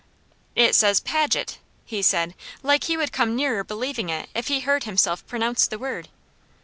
"It says Paget!" he said, like he would come nearer believing; it if he heard himself pronounce the word.